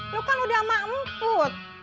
lu kan udah sama emput